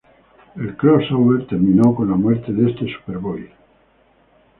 El crossover terminó con la muerte de este Superboy.